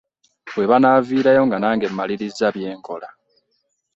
We banaaviirayo nga nange mmalirizza bye nkola.